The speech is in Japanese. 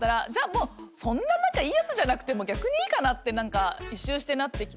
もうそんないいやつじゃなくても逆にいいかなって１周してなってきて。